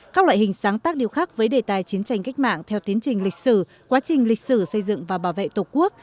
các loại hình sáng tác điêu khắc với đề tài chiến tranh cách mạng theo tiến trình lịch sử quá trình lịch sử xây dựng và bảo vệ tổ quốc